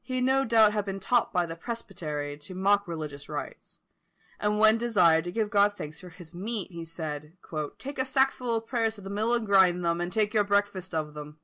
He no doubt had been taught by the presbytery to mock religious rites; and when desired to give God thanks for his meat, he said, "Take a sackful of prayers to the mill and grind them, and take your breakfast of them."